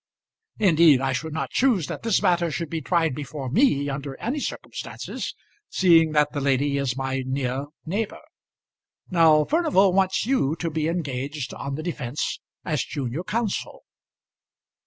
Indeed I should not choose that this matter should be tried before me under any circumstances, seeing that the lady is my near neighbour. Now Furnival wants you to be engaged on the defence as junior counsel."